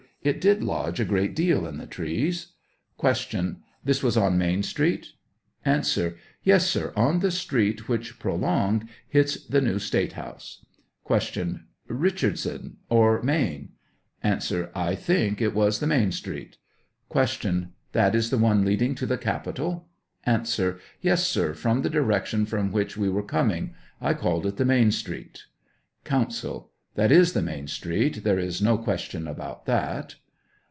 It did lodge a great deal in the trees. Q. This was on Main street ? A. Yes, sir, on the street which prolonged, hits the new State house. Q. Richardson or Main ? A. I think it was the main street. > Q. That is the one leading to the capitol ? A. Yes, sir ; from the direction from which we were coming ; I called it the main street. Counsel. That is the main street, there is no question about that.